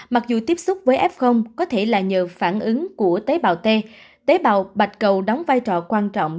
mặc dù tiếp xúc với f có thể là nhờ phản ứng của tế bào t tế bào bạch cầu đóng vai trò quan trọng